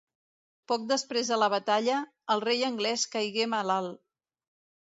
Poc després de la batalla, el rei anglès caigué malalt.